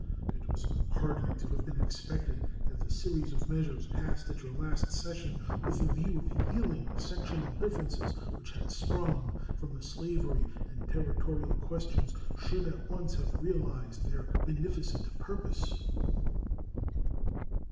It was hardly to have been expected that the series of measures passed at your last session with the view of healing the sectional differences which had sprung from the slavery and territorial questions should at once have realized their beneficent purpose.